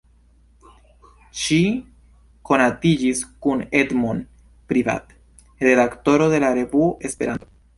Ŝi konatiĝis kun Edmond Privat, redaktoro de la revuo "Esperanto".